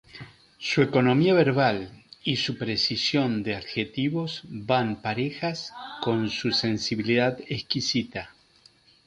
Su economía verbal y su precisión de adjetivos van parejas con su sensibilidad exquisita.